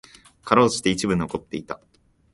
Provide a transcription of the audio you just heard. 辛うじて一部残っていた。